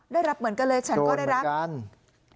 ได้รับเหมือนกันเลยฉันก็ได้รับโดนเหมือนกัน